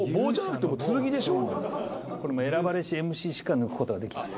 選ばれしＭＣしか抜くことができません。